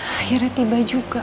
akhirnya tiba juga